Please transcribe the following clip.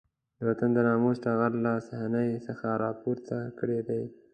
د وطن د ناموس ټغر له صحنې څخه راپورته کړی دی.